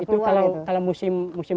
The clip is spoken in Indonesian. itu kalau musim bagus ya